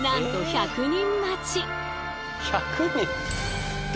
１００人！